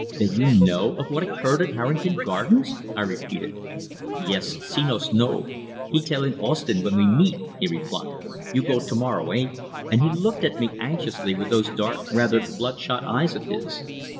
"Then you know, of what occurred at Harrington Gardens?" I repeated. "Yes, Senos know. He tell in Ostend when we meet," he replied. "You go to morrow, eh?" and he looked at me anxiously with those dark, rather blood shot eyes of his.